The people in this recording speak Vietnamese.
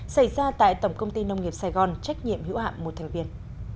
xảy ra tại tổng công ty nông nghiệp sài gòn trách nhiệm hữu hạm một thành viên